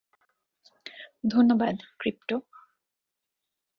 ধন্যবাদ, ক্রিপ্টো!